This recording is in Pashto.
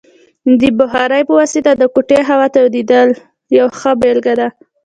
د بخارۍ په واسطه د کوټې هوا تودیدل یوه ښه بیلګه ده.